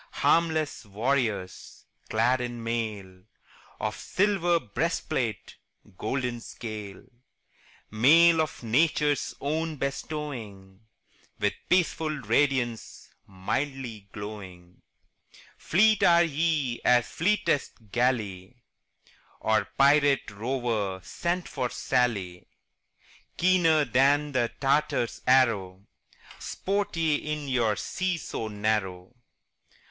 Harmless warriors, clad in mail Of silver breastplate, golden scale; Mail of Nature's own bestowing, With peaceful radiance, mildly glowing Fleet are ye as fleetest galley Or pirate rover sent from Sallee; Keener than the Tartar's arrow, Sport ye in your sea so narrow.